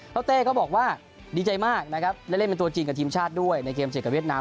เต้ก็บอกว่าดีใจมากนะครับได้เล่นเป็นตัวจริงกับทีมชาติด้วยในเกมเจอกับเวียดนาม